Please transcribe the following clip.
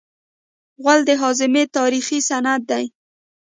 غول د هاضمې تاریخي سند دی.